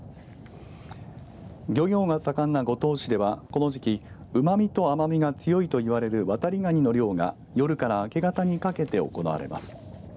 漁業が盛んな五島市ではこの時期うま味と甘みが強いといわれるワタリガニの漁が夜から明け方にかけて行われます。